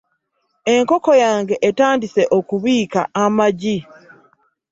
Enkoko yange etandise okubiika amagi.